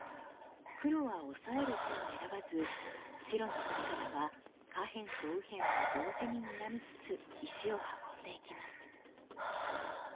黒はオサえる手を選ばず白の坂田は下辺と右辺を同時ににらみつつ石を運んでいきます。